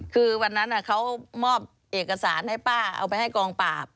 คือวันนั้นเขามอบเอกสารให้ป้าเอาไปให้กองปราบ